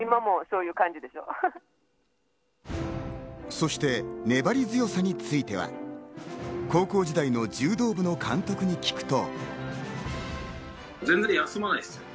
そして粘り強さについては、高校時代の柔道部の監督に聞くと。